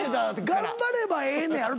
頑張ればええねやろ？